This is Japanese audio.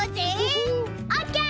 オッケー！